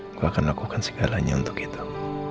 aku akan lakukan segalanya untuk itu